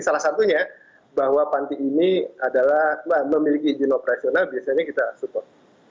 salah satunya bahwa panti ini adalah memiliki izin operasional biasanya kita support